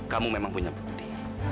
kamu memang punya bukti